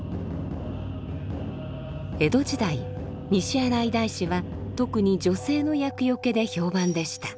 江戸時代西新井大師は特に女性の厄よけで評判でした。